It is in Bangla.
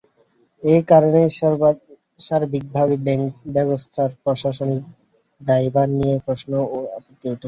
এ কারণেই সার্বিকভাবে ব্যাংকব্যবস্থার প্রশাসনিক দায়ভার নিয়ে প্রশ্ন ও আপত্তি উঠেছে।